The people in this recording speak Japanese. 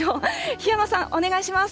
檜山さん、お願いします。